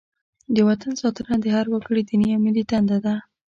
د وطن ساتنه د هر وګړي دیني او ملي دنده ده.